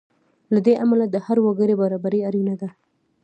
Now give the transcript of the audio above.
له دې امله د هر وګړي برابري اړینه ده.